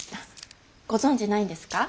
ご存じないんですか。